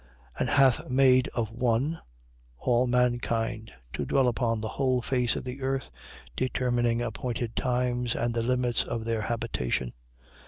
And hath made of one, all mankind, to dwell upon the whole face of the earth, determining appointed times and the limits of their habitation.